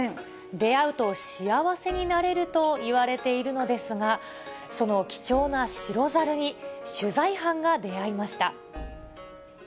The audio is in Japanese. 出合うと幸せになれるといわれているのですが、その貴重な白猿に、取材班が出合いました。